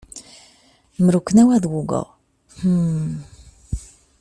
Mruknęła długo: — Hmmm.